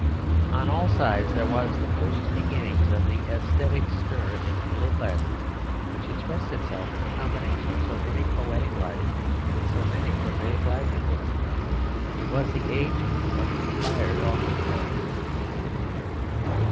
On all sides there was the first beginning of the æsthetic stir in the middle classes which expressed itself in the combination of so many poetic lives with so many prosaic livelihoods. It was the age of inspired office boys.